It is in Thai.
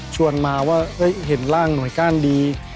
ชวนมาว่าเห็นร่างหน่วยก้านดี